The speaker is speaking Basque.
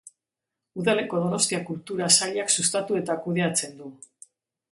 Udaleko Donostia Kultura sailak sustatu eta kudeatzen du.